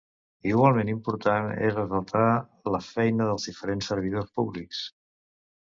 Igualment important és ressaltar la feina dels diferents servidors públics.